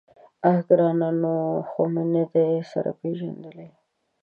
_اه ګرانه! نوي خو مو نه دي سره پېژندلي.